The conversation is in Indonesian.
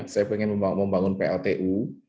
saya ingin membangun pltu